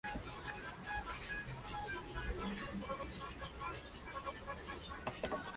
Se ubica en la región norte del país.